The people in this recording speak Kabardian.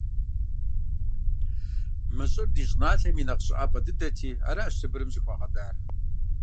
Мы щӏыр ди щӏыналъэм и нэхъ щӏыӏапӏэ дыдэти аращ Сыбырым щӏыхуагъэдар.